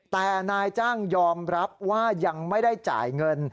แต่นายจ้างยอมรับว่ายังไม่ได้จ่ายเงิน